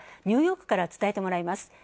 ニューヨークから伝えてもらいます。